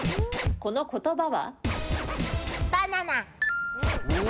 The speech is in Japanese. この言葉は？